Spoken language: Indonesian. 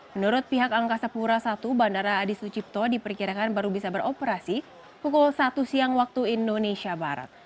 menurut pihak angkasa pura i bandara adi sucipto diperkirakan baru bisa beroperasi pukul satu siang waktu indonesia barat